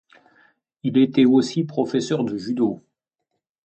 Il était aussi professeur de judo.